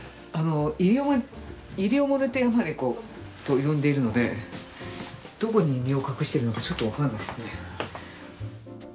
イリオモテヤマネコと呼んでいるのでどこに身を隠しているのかちょっと分からないですね。